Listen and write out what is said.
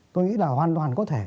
tôi nghĩ là hoàn toàn có thể